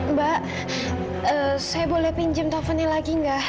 mbak saya boleh pinjam teleponnya lagi enggak